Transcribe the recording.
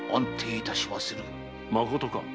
まことか？